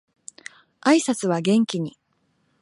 挨拶は元気に